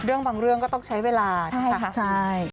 เรื่องบางเรื่องก็ต้องใช้เวลาใช่ค่ะ